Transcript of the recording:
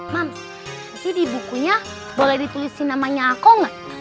mams nanti di bukunya boleh dituliskan namanya aku gak